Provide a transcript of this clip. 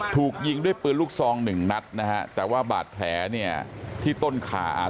ถูกยิงด้วยปืนลูกซองหนึ่งนัดนะฮะแต่ว่าบาดแผลเนี่ยที่ต้นขาอ่า